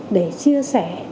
để chia sẻ